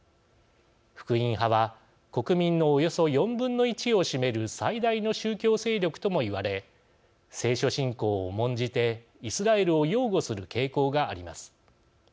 福音派は国民のおよそ４分の１を占める最大の宗教勢力とも言われ聖書信仰を重んじてイスラエルを擁護する傾向があります。